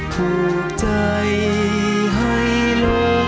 ผูกใจหาไทยฝัน